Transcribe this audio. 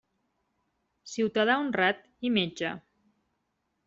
Ciutadà honrat i metge.